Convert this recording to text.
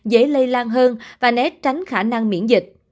dễ lây lan hơn và nết tránh khả năng miễn dịch